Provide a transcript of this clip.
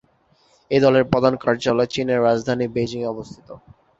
এই দলের প্রধান কার্যালয় চীনের রাজধানী বেইজিংয়ে অবস্থিত।